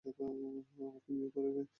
আমাকে বিয়ে করবে?